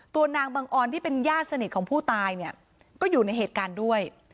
นางบังออนที่เป็นญาติสนิทของผู้ตายเนี่ยก็อยู่ในเหตุการณ์ด้วย